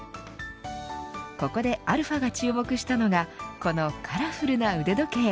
ここでαが注目したのがこのカラフルな腕時計。